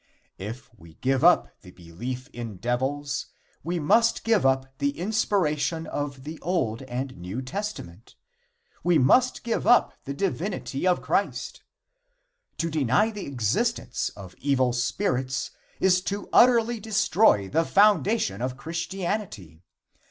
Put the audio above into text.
If we give up the belief in devils, we must give up the inspiration of the Old and New Testament. We must give up the divinity of Christ. To deny the existence of evil spirits is to utterly destroy the foundation of Christianity.